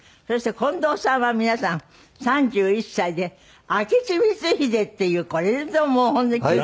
そして近藤さんは皆さん３１歳で明智光秀っていうこれぞもう本当に。